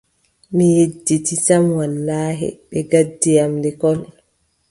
Mi yedditi sam wallaahi, ɓe ngaddi am lekkol.